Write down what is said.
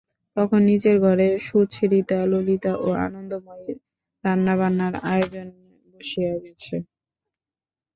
তখন নীচের ঘরে সুচরিতা ললিতা ও আনন্দময়ী রান্নাবান্নার আয়োজনে বসিয়া গেছেন।